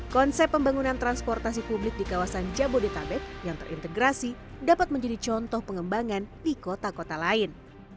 konsep pembangunan transportasi publik di kawasan jabodetabek yang terintegrasi dapat menjadi contoh pengembangan di kota kota lain